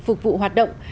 phục vụ hoạt động